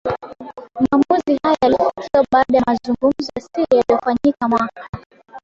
Maamuzi haya yalifikiwa baada ya mazungumzo ya siri yaliyofanyika mwaka